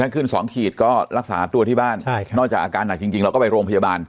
ขึ้น๒ขีดก็รักษาตัวที่บ้านนอกจากอาการหนักจริงเราก็ไปโรงพยาบาล